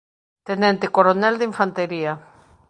Tenente Coronel de Infantería.